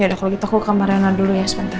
ya udah kalau gitu aku ke kamar rena dulu ya sebentar